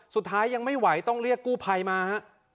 สุดท้ายยังไม่ไหวต้องเรียกกู้ภัยมาฮะ